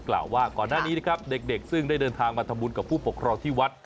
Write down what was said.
กล่าวว่าก่อนหน้านี้นะครับเด็กซึ่งได้เดินทางมาทำบุญกับผู้ปกครองที่วัด